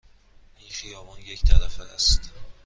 این خیابان یک طرفه است.